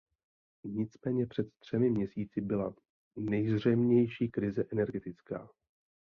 Nicméně před třemi měsíci byla nejzřejmější krize energetická.